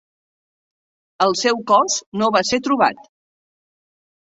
El seu cos no va ser trobat.